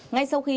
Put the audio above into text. ngay sau khi